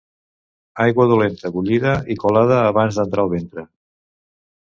Aigua dolenta, bullida i colada abans d'entrar al ventre.